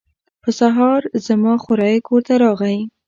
په سهار زما خوریی کور ته راغی.